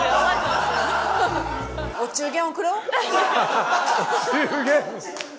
お中元！？